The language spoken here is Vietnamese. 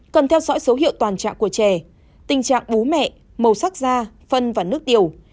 cần theo dõi số hiệu toàn trạng của trẻ tình trạng bú mẹ màu sắc da phân và nước tiểu